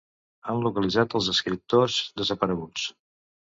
Han localitzat als escriptors desapareguts.